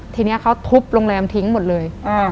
ทีนี้เขาทุบโรงแรมทิ้งหมดเลย